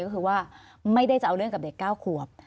ก็คือว่าไม่ได้จะเอาเรื่องกับเด็ก๙ขวบ